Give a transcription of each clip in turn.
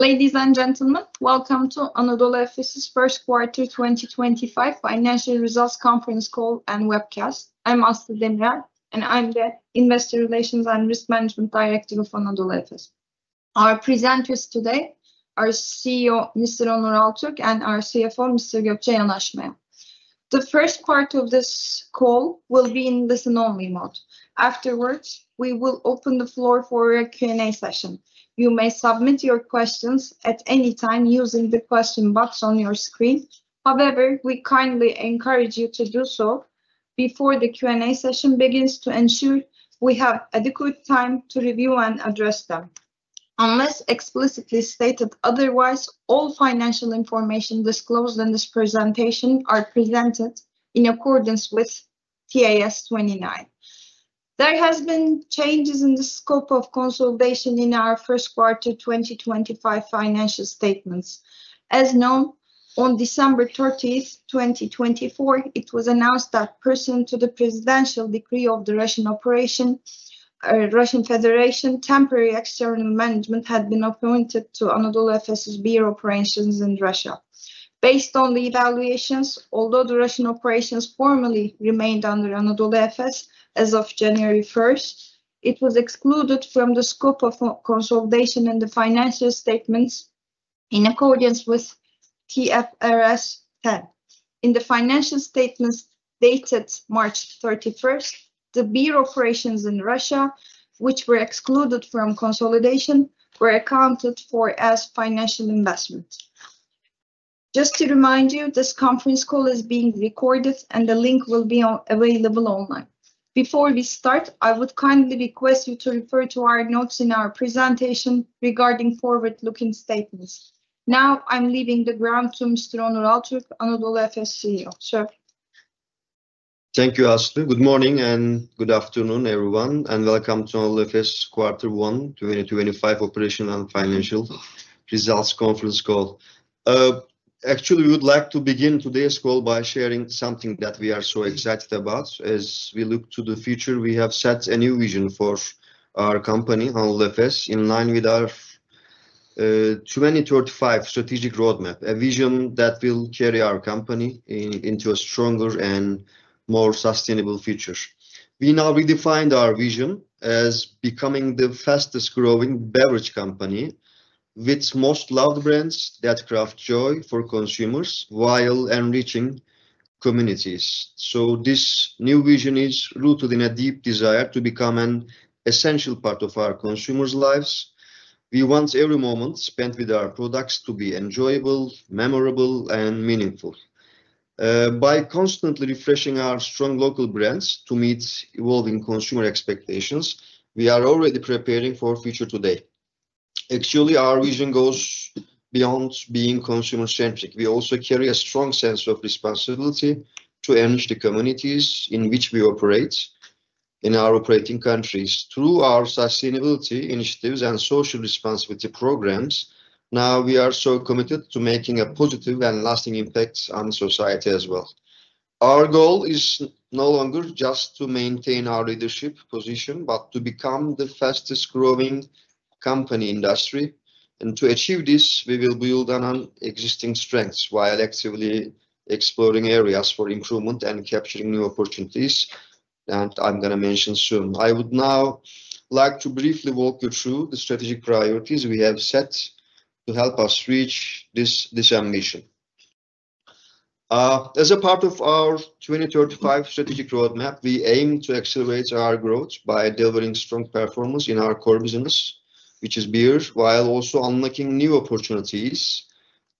Ladies and gentlemen, welcome to Anadolu Efes's First Quarter 2025 Financial Results Conference Call and Webcast. I'm Aslı Demirel, and I'm the Investor Relations and Risk Management Director of Anadolu Efes. Our presenters today are CEO Mr. Onur Altürk and our CFO Mr. Gökçe Yanaşmayan. The first part of this call will be in listen-only mode. Afterwards, we will open the floor for a Q&A session. You may submit your questions at any time using the question box on your screen. However, we kindly encourage you to do so before the Q&A session begins to ensure we have adequate time to review and address them. Unless explicitly stated otherwise, all financial information disclosed in this presentation are presented in accordance with TAS 29. There have been changes in the scope of consolidation in our First Quarter 2025 financial statements. As known, on December 30, 2024, it was announced that pursuant to the Presidential Decree of the Russian Federation, temporary external management had been appointed to Anadolu Efes's Bureau of Operations in Russia. Based on the evaluations, although the Russian operations formally remained under Anadolu Efes as of January 1, it was excluded from the scope of consolidation in the financial statements in accordance with TFRS 10. In the financial statements dated March 31, the Bureau of Operations in Russia, which were excluded from consolidation, were accounted for as financial investments. Just to remind you, this conference call is being recorded, and the link will be available online. Before we start, I would kindly request you to refer to our notes in our presentation regarding forward-looking statements. Now, I'm leaving the ground to Mr. Onur Altürk, Anadolu Efes CEO. Sir. Thank you, Aslı. Good morning and good afternoon, everyone, and welcome to Anadolu Efes Quarter 1, 2025 Operational and Financial Results Conference Call. Actually, we would like to begin today's call by sharing something that we are so excited about. As we look to the future, we have set a new vision for our company, Anadolu Efes, in line with our 2035 strategic roadmap, a vision that will carry our company into a stronger and more sustainable future. We now redefined our vision as becoming the fastest-growing beverage company with most loved brands that craft joy for consumers while enriching communities. This new vision is rooted in a deep desire to become an essential part of our consumers' lives. We want every moment spent with our products to be enjoyable, memorable, and meaningful. By constantly refreshing our strong local brands to meet evolving consumer expectations, we are already preparing for the future today. Actually, our vision goes beyond being consumer-centric. We also carry a strong sense of responsibility to enrich the communities in which we operate in our operating countries. Through our sustainability initiatives and social responsibility programs, now we are so committed to making a positive and lasting impact on society as well. Our goal is no longer just to maintain our leadership position, but to become the fastest-growing company industry. To achieve this, we will build on existing strengths while actively exploring areas for improvement and capturing new opportunities that I'm going to mention soon. I would now like to briefly walk you through the strategic priorities we have set to help us reach this ambition. As a part of our 2035 strategic roadmap, we aim to accelerate our growth by delivering strong performance in our core business, which is beer, while also unlocking new opportunities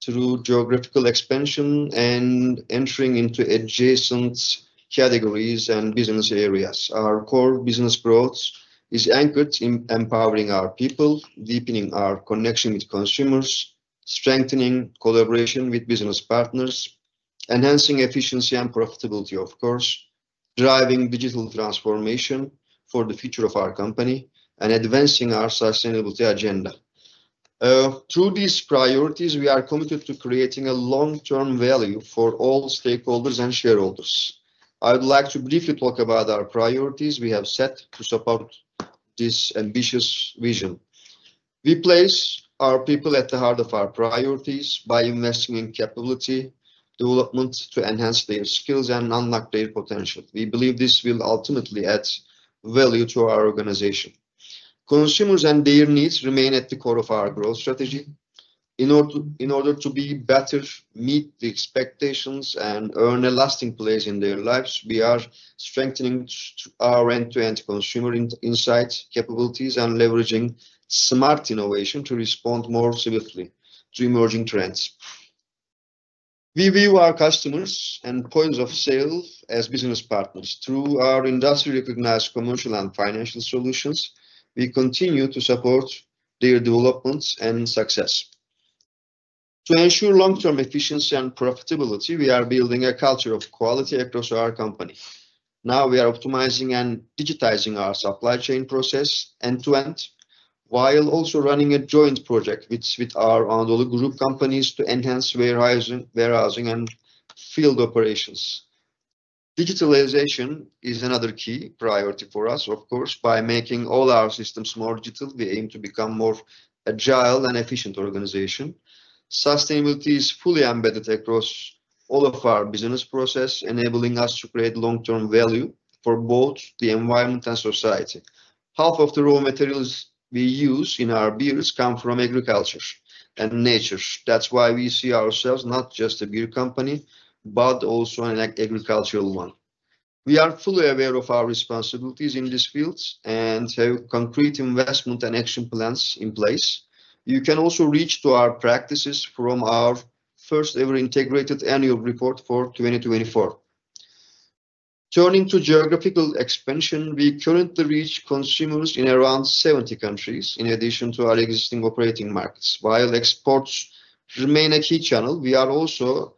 through geographical expansion and entering into adjacent categories and business areas. Our core business growth is anchored in empowering our people, deepening our connection with consumers, strengthening collaboration with business partners, enhancing efficiency and profitability, of course, driving digital transformation for the future of our company, and advancing our sustainability agenda. Through these priorities, we are committed to creating a long-term value for all stakeholders and shareholders. I would like to briefly talk about our priorities we have set to support this ambitious vision. We place our people at the heart of our priorities by investing in capability development to enhance their skills and unlock their potential. We believe this will ultimately add value to our organization. Consumers and their needs remain at the core of our growth strategy. In order to be better, meet the expectations, and earn a lasting place in their lives, we are strengthening our end-to-end consumer insight capabilities and leveraging smart innovation to respond more swiftly to emerging trends. We view our customers and points of sale as business partners. Through our industry-recognized commercial and financial solutions, we continue to support their development and success. To ensure long-term efficiency and profitability, we are building a culture of quality across our company. Now, we are optimizing and digitizing our supply chain process end-to-end while also running a joint project with our Anadolu Group companies to enhance warehousing and field operations. Digitalization is another key priority for us, of course. By making all our systems more digital, we aim to become a more agile and efficient organization. Sustainability is fully embedded across all of our business processes, enabling us to create long-term value for both the environment and society. Half of the raw materials we use in our beers come from agriculture and nature. That's why we see ourselves not just as a beer company, but also an agricultural one. We are fully aware of our responsibilities in these fields and have concrete investment and action plans in place. You can also reach our practices from our first-ever integrated annual report for 2024. Turning to geographical expansion, we currently reach consumers in around 70 countries in addition to our existing operating markets. While exports remain a key channel, we are also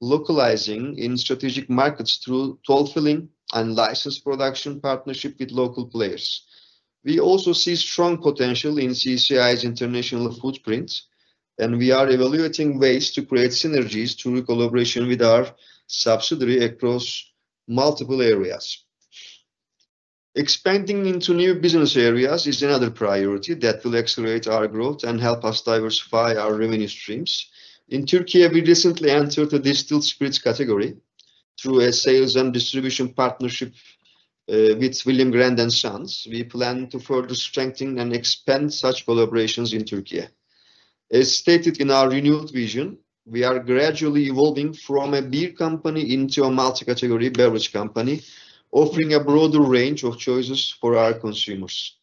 localizing in strategic markets through toll-filling and licensed production partnerships with local players. We also see strong potential in CCI's international footprint, and we are evaluating ways to create synergies through collaboration with our subsidiary across multiple areas. Expanding into new business areas is another priority that will accelerate our growth and help us diversify our revenue streams. In Türkiye, we recently entered the distilled spirits category through a sales and distribution partnership with William Grant and Sons. We plan to further strengthen and expand such collaborations in Türkiye. As stated in our renewed vision, we are gradually evolving from a beer company into a multi-category beverage company, offering a broader range of choices for our consumers.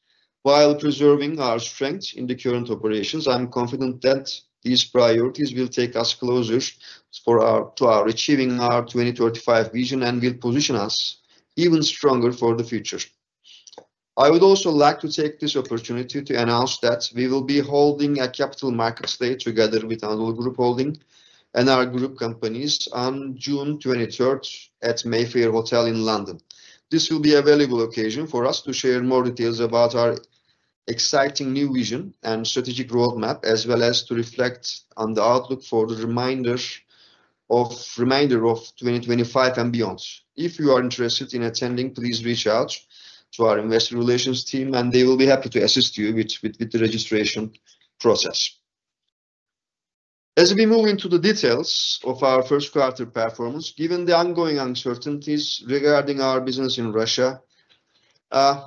While preserving our strength in the current operations, I'm confident that these priorities will take us closer to achieving our 2035 vision and will position us even stronger for the future. I would also like to take this opportunity to announce that we will be holding a capital markets day together with Anadolu Group and our group companies on June 23 at Mayfair Hotel in London. This will be a valuable occasion for us to share more details about our exciting new vision and strategic roadmap, as well as to reflect on the outlook for the remainder of 2025 and beyond. If you are interested in attending, please reach out to our investor relations team, and they will be happy to assist you with the registration process. As we move into the details of our first quarter performance, given the ongoing uncertainties regarding our business in Russia,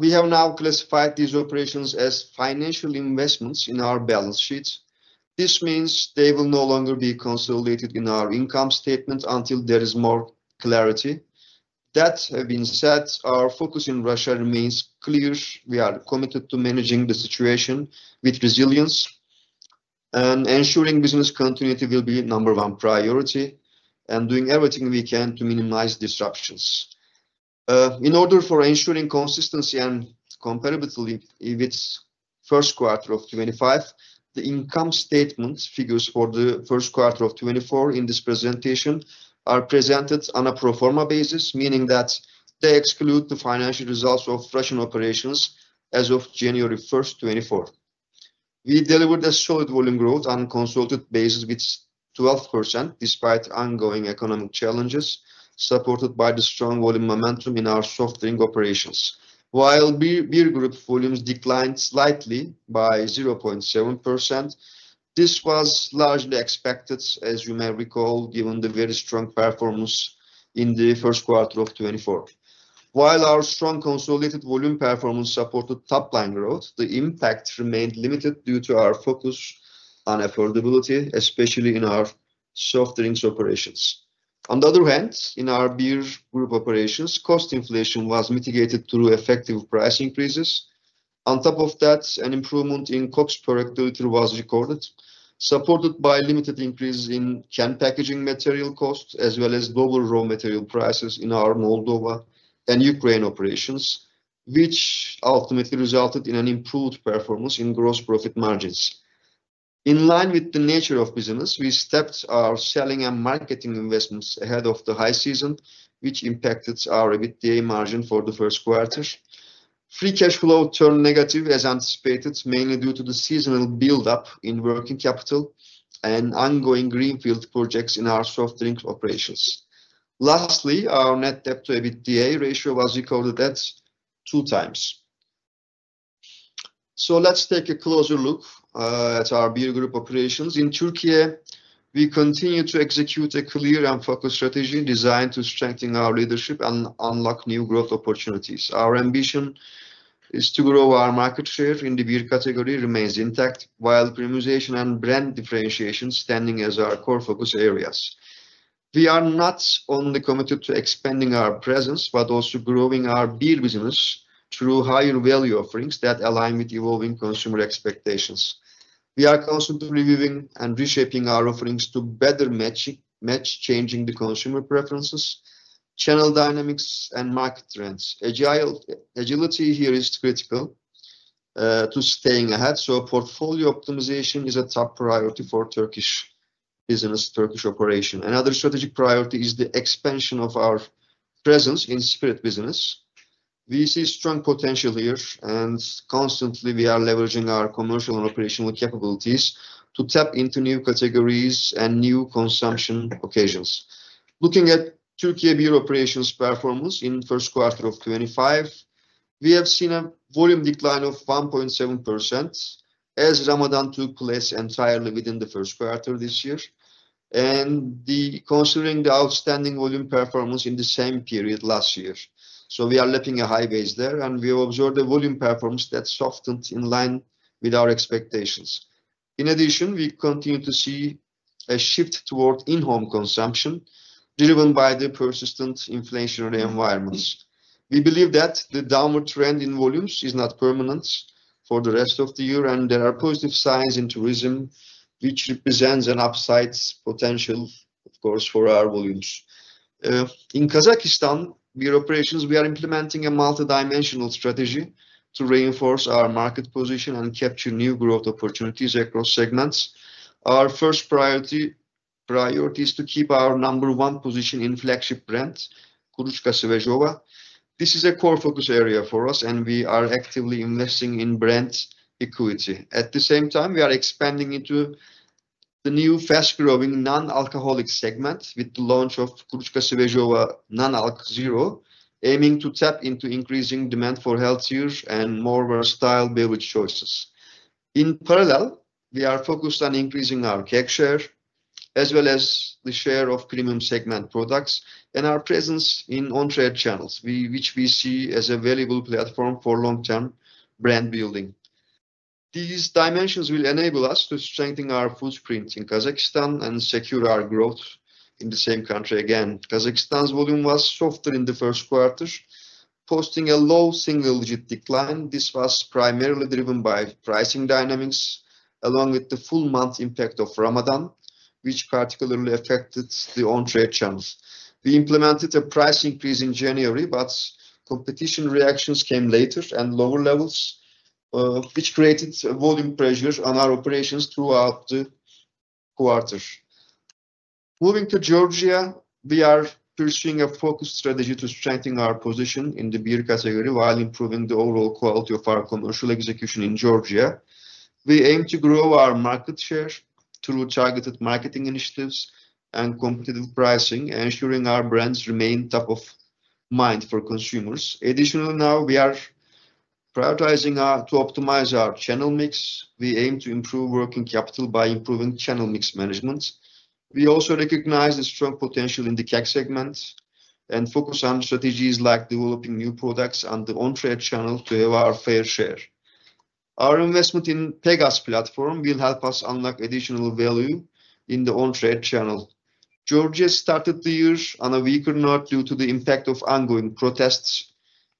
we have now classified these operations as financial investments in our balance sheet. This means they will no longer be consolidated in our income statement until there is more clarity. That having said, our focus in Russia remains clear. We are committed to managing the situation with resilience, and ensuring business continuity will be number one priority and doing everything we can to minimize disruptions. In order for ensuring consistency and compatibility with first quarter of 2025, the income statement figures for the first quarter of 2024 in this presentation are presented on a pro forma basis, meaning that they exclude the financial results of Russian operations as of January 1, 2024. We delivered a solid volume growth on a consolidated basis with 12% despite ongoing economic challenges supported by the strong volume momentum in our soft drink operations. While beer group volumes declined slightly by 0.7%, this was largely expected, as you may recall, given the very strong performance in the first quarter of 2024. While our strong consolidated volume performance supported top-line growth, the impact remained limited due to our focus on affordability, especially in our soft drinks operations. On the other hand, in our beer group operations, cost inflation was mitigated through effective price increases. On top of that, an improvement in COGS productivity was recorded, supported by limited increases in can packaging material costs, as well as global raw material prices in our Moldova and Ukraine operations, which ultimately resulted in an improved performance in gross profit margins. In line with the nature of business, we stepped our selling and marketing investments ahead of the high season, which impacted our EBITDA margin for the first quarter. Free cash flow turned negative, as anticipated, mainly due to the seasonal build-up in working capital and ongoing greenfield projects in our soft drinks operations. Lastly, our net debt to EBITDA ratio was recorded at 2 times. Let's take a closer look at our beer group operations. In Türkiye, we continue to execute a clear and focused strategy designed to strengthen our leadership and unlock new growth opportunities. Our ambition to grow our market share in the beer category remains intact, while premiumization and brand differentiation stand as our core focus areas. We are not only committed to expanding our presence, but also growing our beer business through higher value offerings that align with evolving consumer expectations. We are constantly reviewing and reshaping our offerings to better match changing consumer preferences, channel dynamics, and market trends. Agility here is critical to staying ahead, so portfolio optimization is a top priority for Turkish business, Turkish operation. Another strategic priority is the expansion of our presence in spirit business. We see strong potential here, and constantly we are leveraging our commercial and operational capabilities to tap into new categories and new consumption occasions. Looking at Türkiye beer operations performance in the first quarter of 2025, we have seen a volume decline of 1.7% as Ramadan took place entirely within the first quarter this year, considering the outstanding volume performance in the same period last year. We are lapping a high base there, and we have observed a volume performance that softened in line with our expectations. In addition, we continue to see a shift toward in-home consumption driven by the persistent inflationary environments. We believe that the downward trend in volumes is not permanent for the rest of the year, and there are positive signs in tourism, which represents an upside potential, of course, for our volumes. In Kazakhstan, beer operations, we are implementing a multidimensional strategy to reinforce our market position and capture new growth opportunities across segments. Our first priority is to keep our number one position in flagship brand, Kuruçka Sivejova. This is a core focus area for us, and we are actively investing in brand equity. At the same time, we are expanding into the new fast-growing non-alcoholic segment with the launch of Kuruçka Sivejova Non-Alc Zero, aiming to tap into increasing demand for healthier and more versatile beverage choices. In parallel, we are focused on increasing our cake share, as well as the share of premium segment products and our presence in on-trade channels, which we see as a valuable platform for long-term brand building. These dimensions will enable us to strengthen our footprint in Kazakhstan and secure our growth in the same country again. Kazakhstan's volume was softer in the first quarter, posting a low single-digit decline. This was primarily driven by pricing dynamics, along with the full month impact of Ramadan, which particularly affected the on-trade channels. We implemented a price increase in January, but competition reactions came later and lower levels, which created volume pressures on our operations throughout the quarter. Moving to Georgia, we are pursuing a focused strategy to strengthen our position in the beer category while improving the overall quality of our commercial execution in Georgia. We aim to grow our market share through targeted marketing initiatives and competitive pricing, ensuring our brands remain top of mind for consumers. Additionally, now we are prioritizing to optimize our channel mix. We aim to improve working capital by improving channel mix management. We also recognize the strong potential in the cake segment and focus on strategies like developing new products on the on-trade channel to have our fair share. Our investment in Pegas platform will help us unlock additional value in the on-trade channel. Georgia started the year on a weaker note due to the impact of ongoing protests,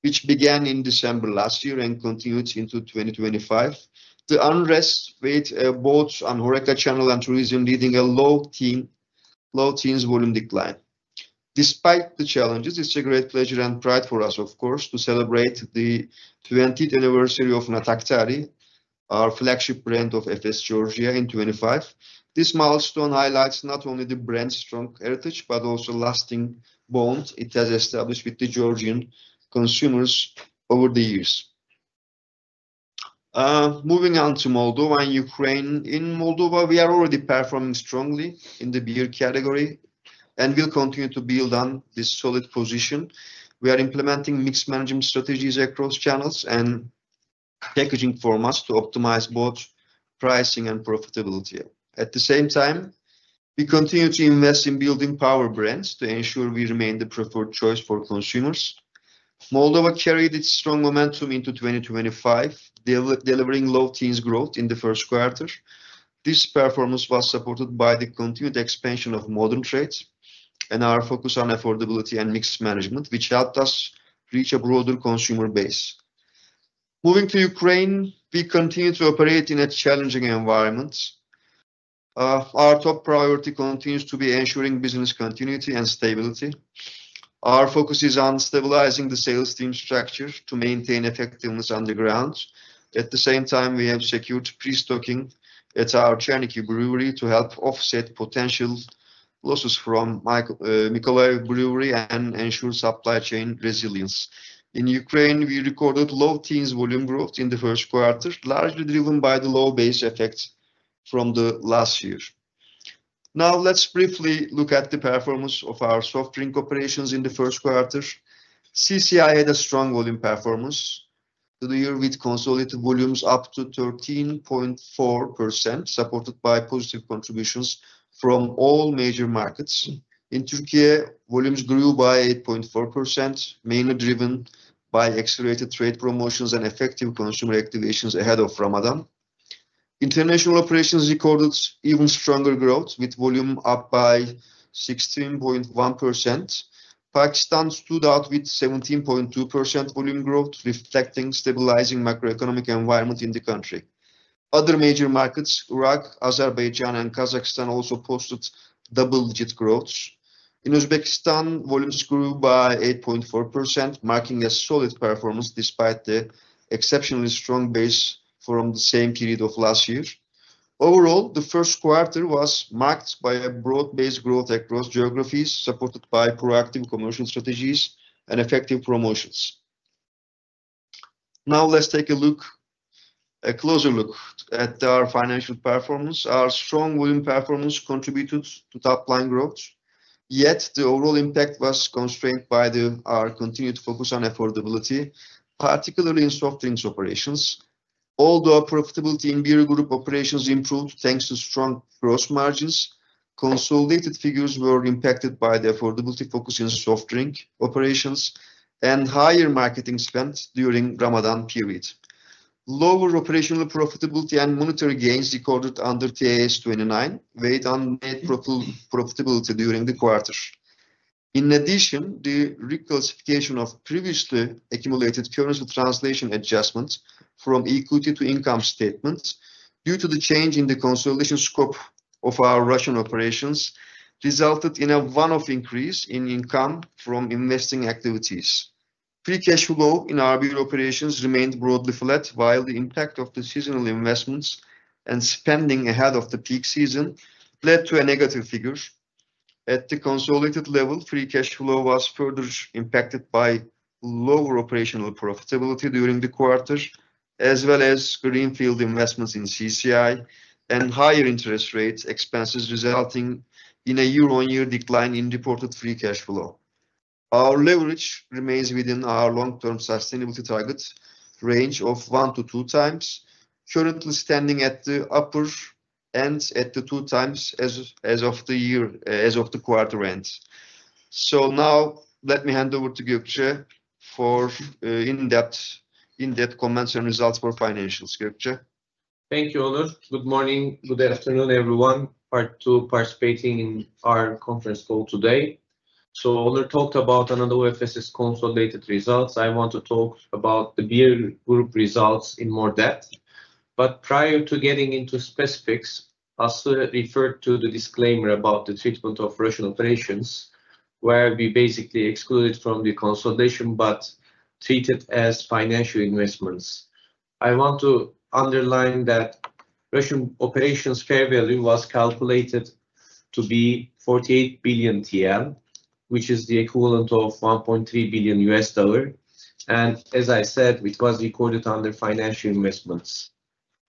which began in December last year and continued into 2025. The unrest weighed both on Horeca channel and tourism, leading a low-teens volume decline. Despite the challenges, it's a great pleasure and pride for us, of course, to celebrate the 20th anniversary of Natakhtari, our flagship brand of Efes Georgia in 2025. This milestone highlights not only the brand's strong heritage, but also lasting bonds it has established with the Georgian consumers over the years. Moving on to Moldova and Ukraine. In Moldova, we are already performing strongly in the beer category and will continue to build on this solid position. We are implementing mixed management strategies across channels and packaging formats to optimize both pricing and profitability. At the same time, we continue to invest in building power brands to ensure we remain the preferred choice for consumers. Moldova carried its strong momentum into 2025, delivering low-teens growth in the first quarter. This performance was supported by the continued expansion of modern trades and our focus on affordability and mixed management, which helped us reach a broader consumer base. Moving to Ukraine, we continue to operate in a challenging environment. Our top priority continues to be ensuring business continuity and stability. Our focus is on stabilizing the sales team structure to maintain effectiveness on the ground. At the same time, we have secured pre-stocking at our Cherniky brewery to help offset potential losses from Mykolaiv brewery and ensure supply chain resilience. In Ukraine, we recorded low-teens volume growth in the first quarter, largely driven by the low base effect from the last year. Now, let's briefly look at the performance of our soft drink operations in the first quarter. CCI had a strong volume performance to the year with consolidated volumes up 13.4%, supported by positive contributions from all major markets. In Türkiye, volumes grew by 8.4%, mainly driven by accelerated trade promotions and effective consumer activations ahead of Ramadan. International operations recorded even stronger growth with volume up by 16.1%. Pakistan stood out with 17.2% volume growth, reflecting stabilizing macroeconomic environment in the country. Other major markets, Iraq, Azerbaijan, and Kazakhstan, also posted double-digit growth. In Uzbekistan, volumes grew by 8.4%, marking a solid performance despite the exceptionally strong base from the same period of last year. Overall, the first quarter was marked by a broad base growth across geographies, supported by proactive commercial strategies and effective promotions. Now, let's take a closer look at our financial performance. Our strong volume performance contributed to top-line growth, yet the overall impact was constrained by our continued focus on affordability, particularly in soft drinks operations. Although profitability in beer group operations improved thanks to strong gross margins, consolidated figures were impacted by the affordability focus in soft drink operations and higher marketing spend during the Ramadan period. Lower operational profitability and monetary gains recorded under TAS 29 weighed on net profitability during the quarter. In addition, the reclassification of previously accumulated currency translation adjustments from equity to income statements due to the change in the consolidation scope of our Russian operations resulted in a one-off increase in income from investing activities. Free cash flow in our beer operations remained broadly flat, while the impact of the seasonal investments and spending ahead of the peak season led to a negative figure. At the consolidated level, free cash flow was further impacted by lower operational profitability during the quarter, as well as greenfield investments in CCI and higher interest rate expenses, resulting in a year-on-year decline in reported free cash flow. Our leverage remains within our long-term sustainability target range of one to two times, currently standing at the upper end at the two times as of the quarter end. Now, let me hand over to Gökçe for in-depth comments and results for financials. Gökçe. Thank you, Onur. Good morning, good afternoon, everyone, to participating in our conference call today. Onur talked about Anadolu Efes Aslı's consolidated results. I want to talk about the beer group results in more depth. Prior to getting into specifics, I'll refer to the disclaimer about the treatment of Russian operations, where we basically excluded from the consolidation but treated as financial investments. I want to underline that Russian operations fair value was calculated to be 48 billion TL, which is the equivalent of $1.3 billion. As I said, it was recorded under financial investments.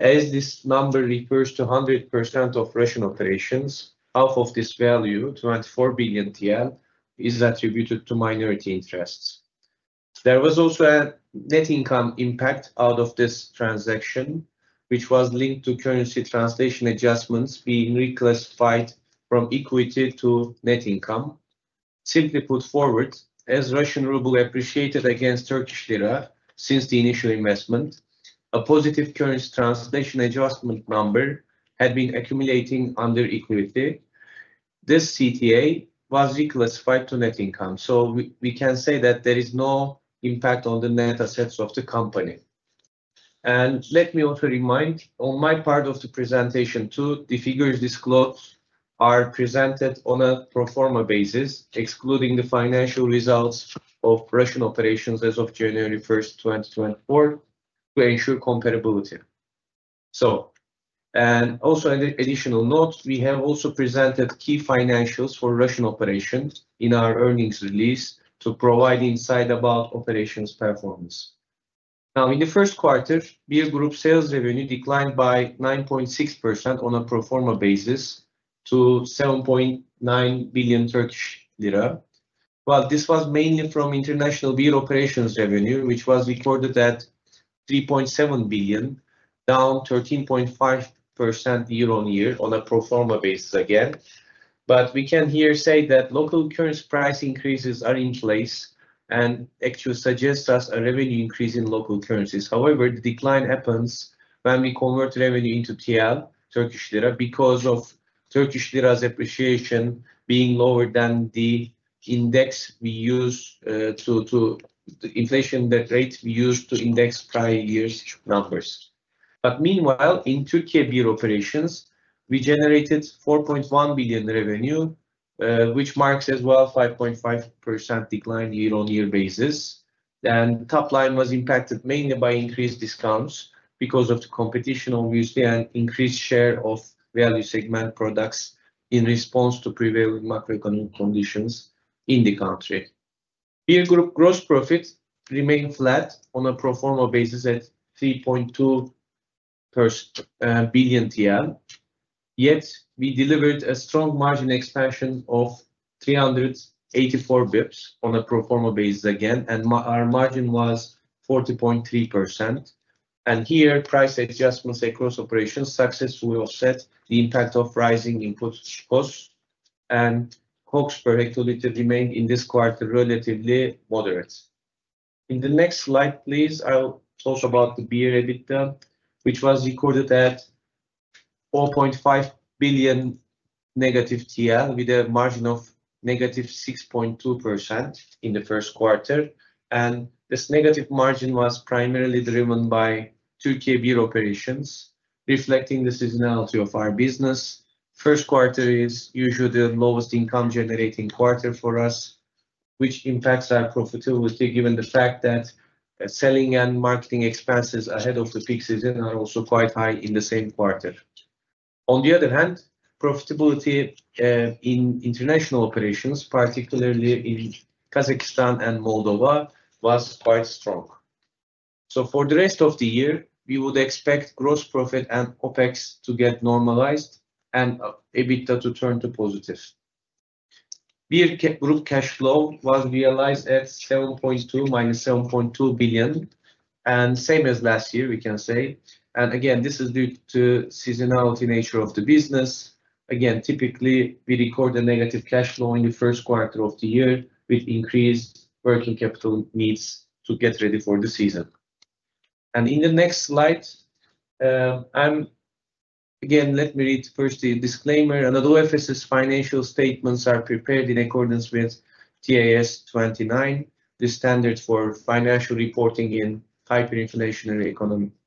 As this number refers to 100% of Russian operations, half of this value, 24 billion TL, is attributed to minority interests. There was also a net income impact out of this transaction, which was linked to currency translation adjustments being reclassified from equity to net income. Simply put forward, as Russian ruble appreciated against Turkish lira since the initial investment, a positive currency translation adjustment number had been accumulating under equity. This CTA was reclassified to net income. We can say that there is no impact on the net assets of the company. Let me also remind on my part of the presentation too, the figures disclosed are presented on a pro forma basis, excluding the financial results of Russian operations as of January 1, 2024, to ensure comparability. Also, an additional note, we have also presented key financials for Russian operations in our earnings release to provide insight about operations performance. Now, in the first quarter, beer group sales revenue declined by 9.6% on a pro forma basis to 7.9 billion Turkish lira. This was mainly from international beer operations revenue, which was recorded at 3.7 billion, down 13.5% year-on-year on a pro forma basis again. We can here say that local currency price increases are in place and actually suggest us a revenue increase in local currencies. However, the decline happens when we convert revenue into TRY, Turkish lira, because of Turkish lira's appreciation being lower than the index we use to the inflation rate we use to index prior year's numbers. Meanwhile, in Türkiye beer operations, we generated 4.1 billion revenue, which marks as well a 5.5% decline year-on-year basis. The top line was impacted mainly by increased discounts because of the competition, obviously, and increased share of value segment products in response to prevailing macroeconomic conditions in the country. Beer group gross profit remained flat on a pro forma basis at 3.2 billion TL, yet we delivered a strong margin expansion of 384 basis points on a pro forma basis again, and our margin was 40.3%. Here, price adjustments across operations successfully offset the impact of rising input costs, and COGS per hectoliter remained in this quarter relatively moderate. In the next slide, please, I'll talk about the beer EBITDA, which was recorded at negative 4.5 billion with a margin of negative 6.2% in the first quarter. This negative margin was primarily driven by Türkiye beer operations, reflecting the seasonality of our business. First quarter is usually the lowest income-generating quarter for us, which impacts our profitability given the fact that selling and marketing expenses ahead of the peak season are also quite high in the same quarter. On the other hand, profitability in international operations, particularly in Kazakhstan and Moldova, was quite strong. For the rest of the year, we would expect gross profit and OPEX to get normalized and EBITDA to turn to positive. Beer group cash flow was realized at -7.2 billion, and same as last year, we can say. Again, this is due to the seasonality nature of the business. Typically, we record a negative cash flow in the first quarter of the year with increased working capital needs to get ready for the season. In the next slide, let me read first the disclaimer. Anadolu Efes Aslı's financial statements are prepared in accordance with TAS 29, the standard for financial reporting in hyperinflationary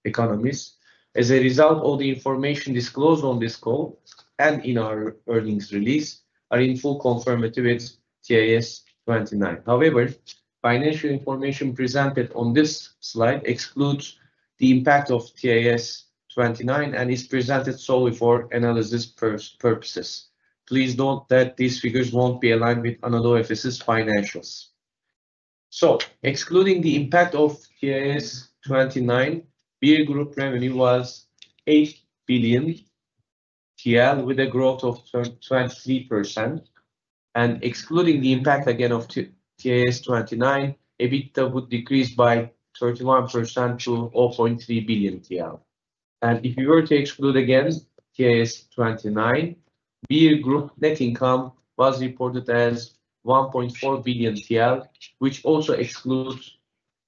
economies. As a result, all the information disclosed on this call and in our earnings release are in full confirmation with TAS 29. However, financial information presented on this slide excludes the impact of TAS 29 and is presented solely for analysis purposes. Please note that these figures will not be aligned with Anadolu Efes financials. Excluding the impact of TAS 29, beer group revenue was 8 billion TL with a growth of 23%. Excluding the impact again of TAS 29, EBITDA would decrease by 31% to 0.3 billion TL. If you were to exclude again TAS 29, beer group net income was reported as 1.4 billion TL, which also excludes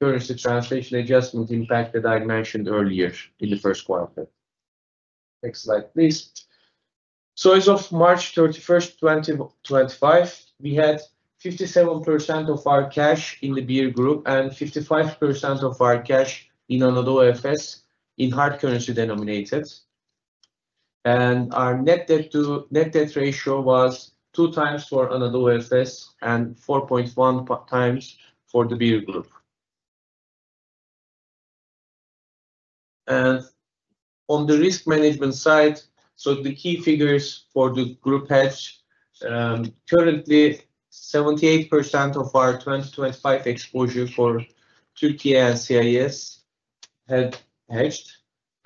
currency translation adjustment impact that I mentioned earlier in the first quarter. Next slide, please. As of March 31, 2025, we had 57% of our cash in the beer group and 55% of our cash in Anadolu Efes in hard currency denominated. Our net debt ratio was two times for Anadolu Efes and 4.1 times for the beer group. On the risk management side, the key figures for the group hedge, currently 78% of our 2025 exposure for Türkiye and CIS had hedged.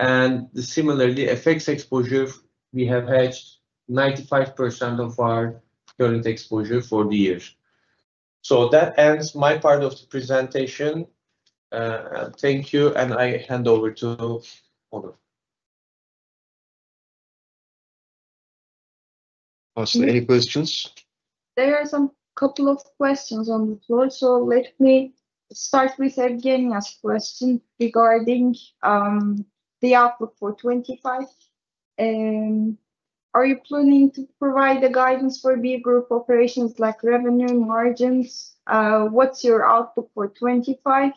Similarly, FX exposure, we have hedged 95% of our current exposure for the year. That ends my part of the presentation. Thank you, and I hand over to Onur. Awesome. Any questions? There are some couple of questions on the floor. Let me start with a beginner's question regarding the outlook for 2025. Are you planning to provide the guidance for beer group operations like revenue margins? What's your outlook for 2025?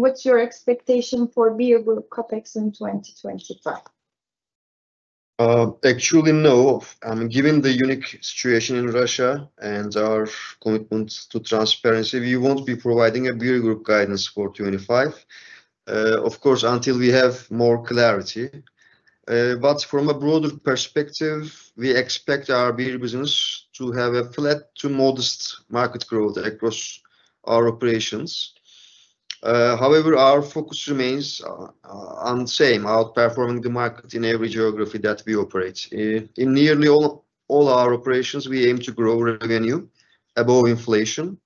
What's your expectation for beer group COPEX in 2025? Actually, no. Given the unique situation in Russia and our commitment to transparency, we won't be providing a beer group guidance for 2025, of course, until we have more clarity. From a broader perspective, we expect our beer business to have a flat to modest market growth across our operations. However, our focus remains on the same, outperforming the market in every geography that we operate. In nearly all our operations, we aim to grow revenue above inflation,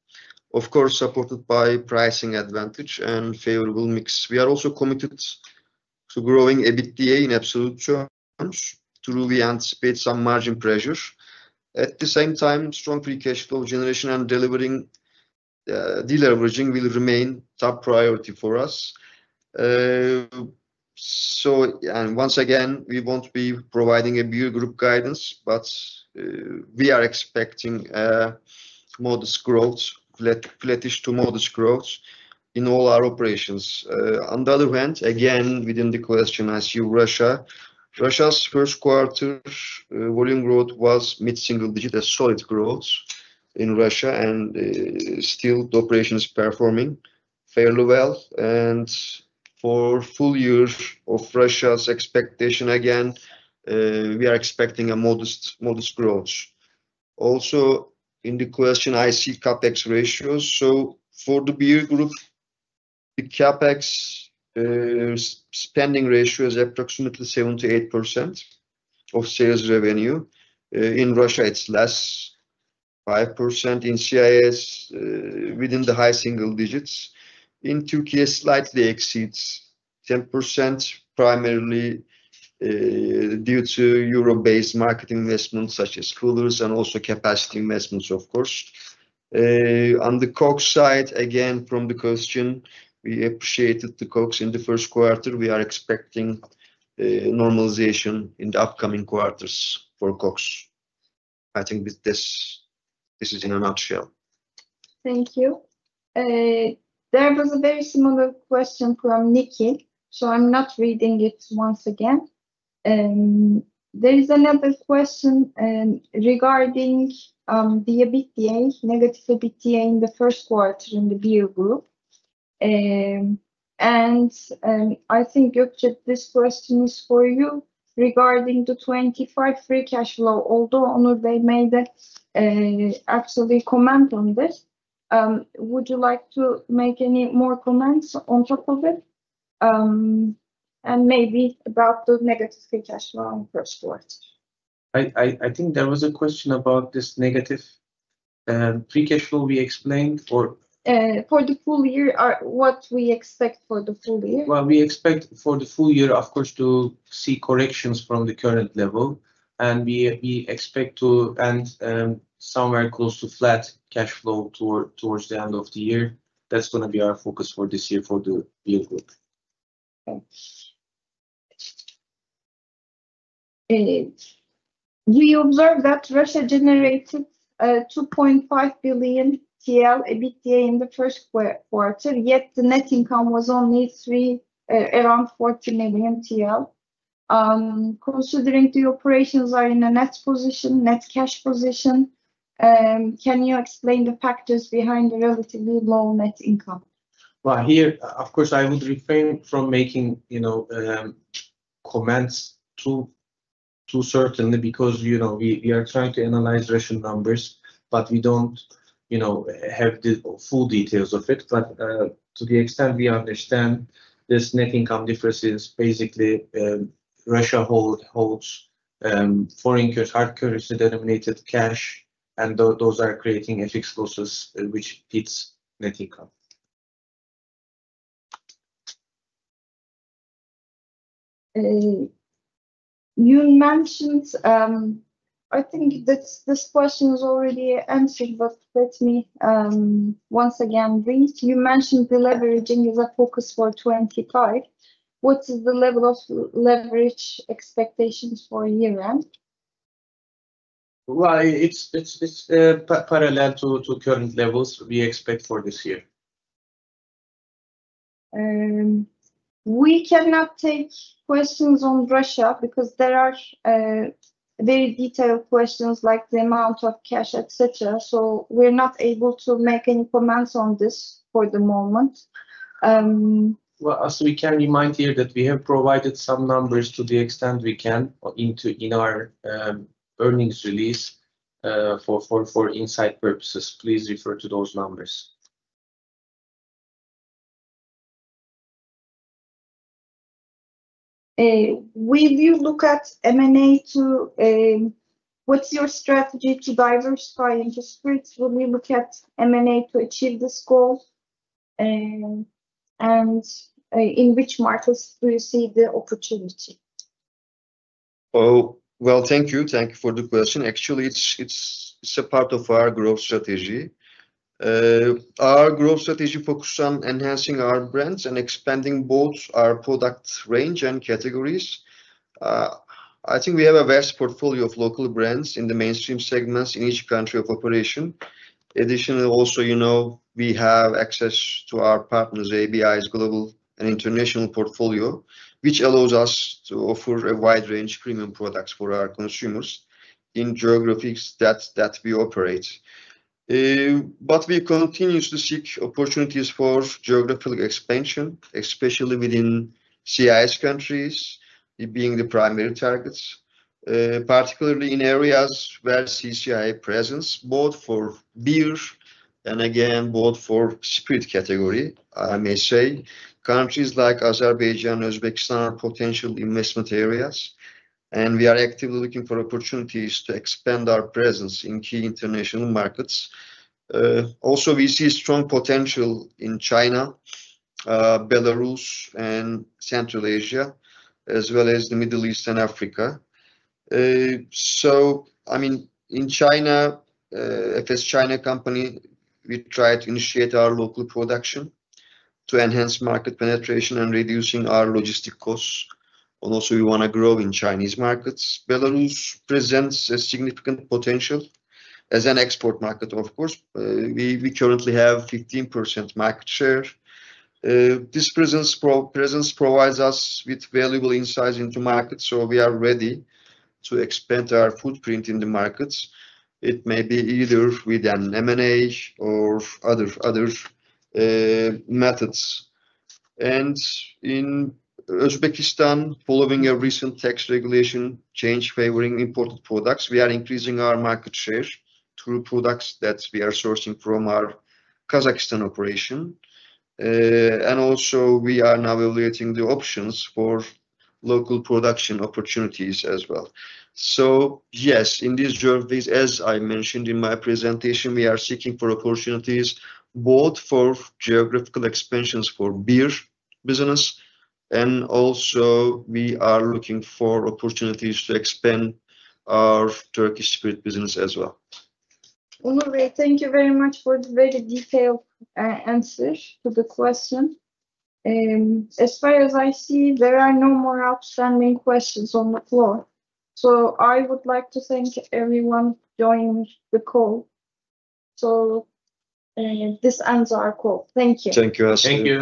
of course, supported by pricing advantage and favorable mix. We are also committed to growing EBITDA in absolute terms though we anticipate some margin pressure. At the same time, strong free cash flow generation and delivering deleveraging will remain top priority for us. Once again, we won't be providing a beer group guidance, but we are expecting modest growth, flattish to modest growth in all our operations. On the other hand, again, within the question I see Russia. Russia's first quarter volume growth was mid-single digit as solid growth in Russia, and still the operation is performing fairly well. For full year of Russia's expectation, again, we are expecting a modest growth. Also, in the question, I see COPEX ratios. For the beer group, the COPEX spending ratio is approximately 78% of sales revenue. In Russia, it's less, 5%. In CIS, within the high single digits. In Türkiye, slightly exceeds 10%, primarily due to Europe-based market investments such as coolers and also capacity investments, of course. On the COGS side, again, from the question, we appreciated the COGS in the first quarter. We are expecting normalization in the upcoming quarters for COGS. I think this is in a nutshell. Thank you. There was a very similar question from Nikki, so I'm not reading it once again. There is another question regarding the EBITDA, negative EBITDA in the first quarter in the beer group. I think, Gökçe, this question is for you regarding the 25 free cash flow. Although Onur made actually a comment on this, would you like to make any more comments on top of it? And maybe about the negative free cash flow in the first quarter. I think there was a question about this negative free cash flow we explained or. For the full year, what do we expect for the full year? We expect for the full year, of course, to see corrections from the current level. We expect to end somewhere close to flat cash flow towards the end of the year. That is going to be our focus for this year for the beer group. Okay. We observed that Russia generated 2.5 billion TL EBITDA in the first quarter, yet the net income was only around 40 million TL. Considering the operations are in a net position, net cash position, can you explain the factors behind the relatively low net income? Of course, I would refrain from making comments too certainly because we are trying to analyze Russian numbers, but we do not have the full details of it. To the extent we understand, this net income difference is basically Russia holds foreign currency, hard currency denominated cash, and those are creating FX losses, which beats net income. You mentioned, I think this question is already answered, but let me once again read. You mentioned the leveraging is a focus for 2025. What is the level of leverage expectations for year-end? It is parallel to current levels we expect for this year. We cannot take questions on Russia because there are very detailed questions like the amount of cash, etc. We are not able to make any comments on this for the moment. As we can remind here that we have provided some numbers to the extent we can in our earnings release for insight purposes. Please refer to those numbers. Will you look at M&A to what is your strategy to diversify industry? Will you look at M&A to achieve this goal? And in which markets do you see the opportunity? Thank you. Thank you for the question. Actually, it is a part of our growth strategy. Our growth strategy focuses on enhancing our brands and expanding both our product range and categories. I think we have a vast portfolio of local brands in the mainstream segments in each country of operation. Additionally, also, we have access to our partners, ABI's global and international portfolio, which allows us to offer a wide range of premium products for our consumers in geographies that we operate. We continue to seek opportunities for geographical expansion, especially within CIS countries, being the primary targets, particularly in areas where CCI presence, both for beer and again, both for spirit category, I may say. Countries like Azerbaijan, Uzbekistan are potential investment areas, and we are actively looking for opportunities to expand our presence in key international markets. Also, we see strong potential in China, Belarus, and Central Asia, as well as the Middle East and Africa. I mean, in China, as a China company, we try to initiate our local production to enhance market penetration and reduce our logistic costs. Also, we want to grow in Chinese markets. Belarus presents a significant potential as an export market, of course. We currently have 15% market share. This presence provides us with valuable insights into markets, so we are ready to expand our footprint in the markets. It may be either with an M&A or other methods. In Uzbekistan, following a recent tax regulation change favoring imported products, we are increasing our market share through products that we are sourcing from our Kazakhstan operation. Also, we are now evaluating the options for local production opportunities as well. Yes, in these geographies, as I mentioned in my presentation, we are seeking for opportunities both for geographical expansions for beer business, and also we are looking for opportunities to expand our Turkish spirit business as well. Onur Bey, thank you very much for the very detailed answer to the question. As far as I see, there are no more outstanding questions on the floor. I would like to thank everyone joining the call. This ends our call. Thank you. Thank you.